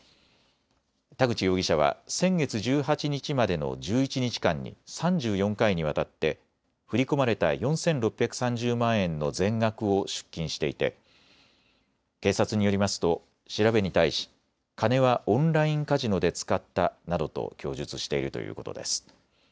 田口容疑者は先月１８日までの１１日間に３４回にわたって振り込まれた４６３０万円の全額を出金していて警察によりますと調べに対し金はオンラインカジノで使ったなどと供述しているということです。